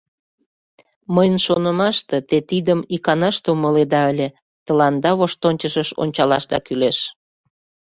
Мыйын шонымаште, те тидым иканаште умыледа ыле, тыланда воштончышыш ончалашда кӱлеш.